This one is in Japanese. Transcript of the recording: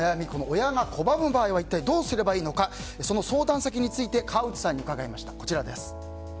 親が拒む場合は一体どうすればいいのかその相談先について川内さんに伺いました。